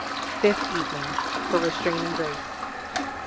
FIFTH EVENING. FOR RESTRAINING GRACE.